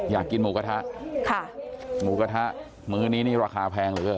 อยากกินหมูกระทะหมูกระทะมื้อนี้ราคาแพงเหลือ